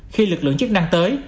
khi lực lượng chức năng tới